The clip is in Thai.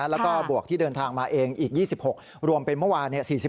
แล้วก็บวกที่เดินทางมาเองอีก๒๖รวมเป็นเมื่อวาน๔๕